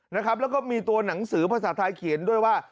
แล้วก็มีตัวหนังสือภาษาไทยเขียนด้วยว่า